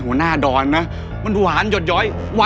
แล้วนี่ถ้าแกยังไม่เชื่อฟันของฉันสินะ